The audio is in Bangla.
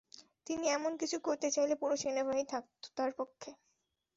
তিনি এমন কিছু করতে চাইলে পুরো সেনাবাহিনী থাকত তাঁর পক্ষে।